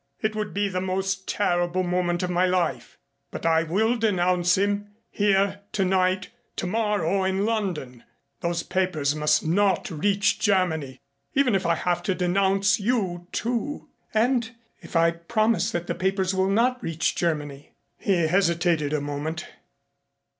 "It would be the most terrible moment of my life but I will denounce him here tonight tomorrow in London. Those papers must not reach Germany even if I have to denounce you, too." "And if I promise that the papers will not reach Germany?" He hesitated a moment.